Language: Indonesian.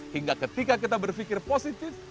hingga ketika kita berpikir positif